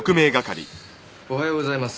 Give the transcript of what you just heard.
おはようございます。